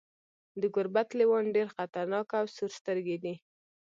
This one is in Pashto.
د ګوربت لیوان ډیر خطرناک او سورسترګي دي.